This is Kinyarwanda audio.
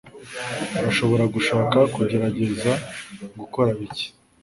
Urashobora gushaka kugerageza gukora bike.